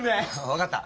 わかった。